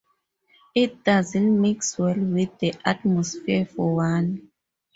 It doesn't mix well with the atmosphere, for one.